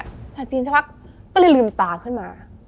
ภาษาจีนเฉพาะก็เลยลืมตาขึ้นมา